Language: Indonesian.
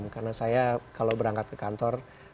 karena saya kalau berangkat ke kantor